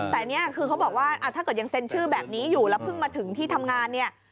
แต่นี่คือเขาบอกว่าถ้าเกิดยังเซ็นชื่อแบบนี้อยู่แล้วเพิ่งมาถึงที่ทำงานเนี่ย